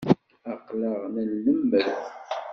Aql-aɣ la nlemmed.